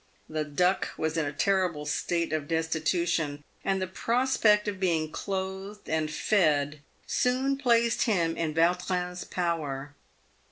The Duck was in a terrible state of des titution, and the prospect of being clothed and fed soon placed him in Vautrin's power.